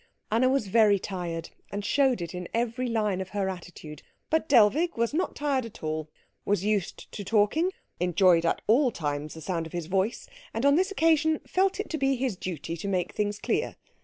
Anna was very tired, and showed it in every line of her attitude; but Dellwig was not tired at all, was used to talking, enjoyed at all times the sound of his voice, and on this occasion felt it to be his duty to make things clear.